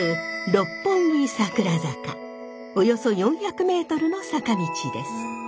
およそ４００ｍの坂道です。